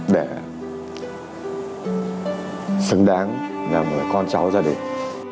để xứng đáng là một con cháu gia đình